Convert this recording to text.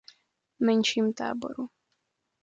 Menším Táboru.